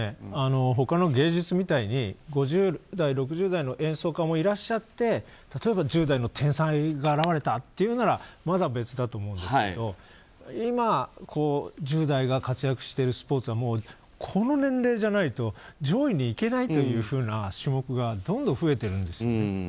他の芸術みたいに５０代、６０代の演奏家もいらっしゃって例えば１０代の天才が現れたというならまだ別だと思うんですけど今、１０代が活躍しているスポーツはもうこの年齢じゃないと上位にいけないというふうな種目がどんどん増えてるんですよ。